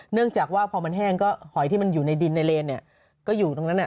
เนื่องจากว่าพอมันแห้งหอยที่มันอยู่ในดินในเรนก็อยู่กับไม่ต้องทิ้งงมตามน้ำ